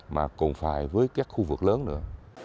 mà cũng phải với các khu vực lớn nữa